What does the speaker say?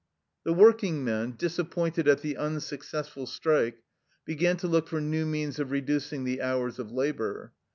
The working men, disappointed at the unsuc cessful strike, began to look for new means of reducing the hours of labor.